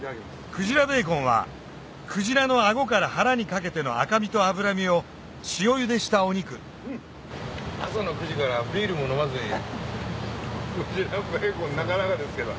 クジラベーコンはクジラの顎から腹にかけての赤身と脂身を塩ゆでしたお肉朝の９時からビールも飲まずにクジラベーコンなかなかですけど。